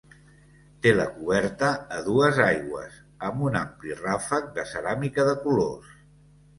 Té la coberta a dues aigües, amb un ampli ràfec de ceràmica de colors.